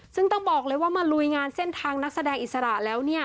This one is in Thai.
ซึ่งต้องบอกเลยว่ามาลุยงานเส้นทางนักแสดงอิสระแล้วเนี่ย